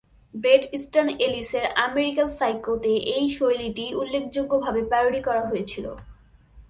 Brett Easton এলিসের "American সাইকো"-তে এই শৈলীটি উল্লেখযোগ্যভাবে প্যারডি করা হয়েছিল।